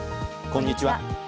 こんにちは。